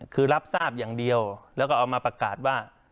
คือรับทราบอย่างเดียวแล้วก็เอามาประกาศว่า